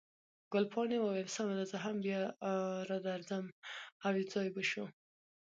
ګلپاڼې وویل، سمه ده، زه هم بیا درځم، او یو ځای به شو.